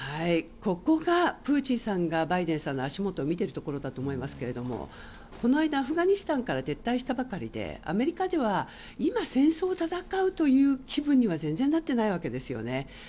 ここがプーチンさんがバイデンさんの足元を見ているところかと思いますがこの間、アフガニスタンから撤退したばかりでアメリカでは今、戦争で戦うという気分には全然なっていないわけですよね。